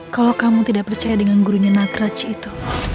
kalau kamu tidak percaya dengan gurunya nakruch itu